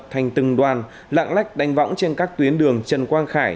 thành từng đoàn lạng lách đánh võng trên các tuyến đường trần quang khải